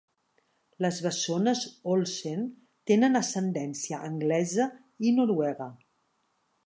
Les bessones Olsen tenen ascendència anglesa i noruega.